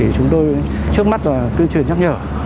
chúng tôi trước mắt là tuyên truyền nhắc nhở